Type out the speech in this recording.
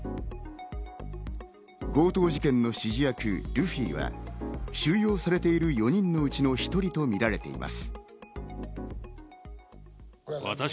強盗事件の指示役ルフィは収容されている４人のうちの１人とみられています。